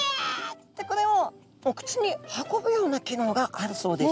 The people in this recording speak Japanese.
ってこれをお口に運ぶような機能があるそうです。